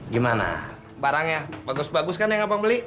gimana barangnya bagus bagus kan yang abang beli